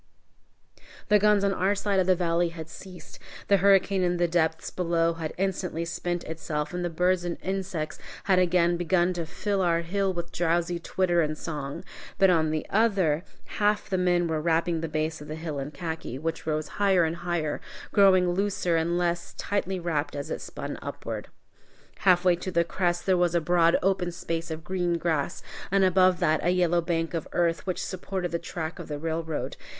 The guns on our side of the valley had ceased, the hurricane in the depths below had instantly spent itself, and the birds and insects had again begun to fill our hill with drowsy twitter and song. But on the other, half the men were wrapping the base of the hill in khaki, which rose higher and higher, growing looser and less tightly wrapt as it spun upward. Halfway to the crest there was a broad open space of green grass, and above that a yellow bank of earth, which supported the track of the railroad.